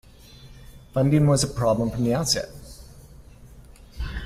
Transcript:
Funding was a problem from the outset.